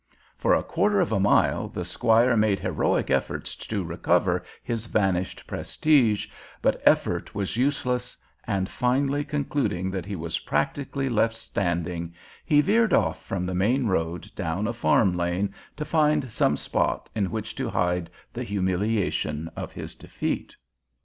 For a quarter of a mile the squire made heroic efforts to recover his vanished prestige, but effort was useless, and finally concluding that he was practically left standing, he veered off from the main road down a farm lane to find some spot in which to hide the humiliation of his defeat.